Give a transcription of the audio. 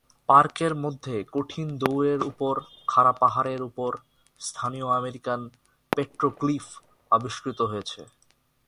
পার্কের মধ্যে কঠিন দৌড়ের উপর খাড়া পাহাড়ের উপর স্থানীয় আমেরিকান পেট্রোগ্লিফ আবিষ্কৃত হয়েছে।